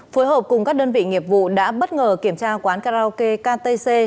phối hợp cùng các đơn vị nghiệp vụ đã bất ngờ kiểm tra quán karaoke ktc